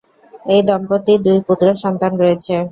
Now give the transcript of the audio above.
এই দম্পতির দুই পুত্র সন্তান রয়েছে।